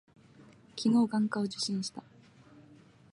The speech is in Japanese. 昨日、眼科を受診した。